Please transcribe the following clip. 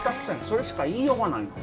それしか言いようがないの。